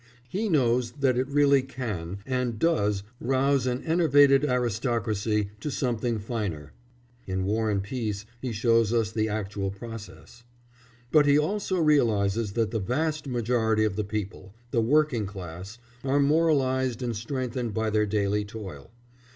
He knows that it really can and does rouse an enervated aristocracy to something finer (in War and Peace he shows us the actual process); but he also realises that the vast majority of the people the working class are moralised and strengthened by their daily toil.